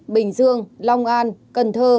bình dương long an cần thơ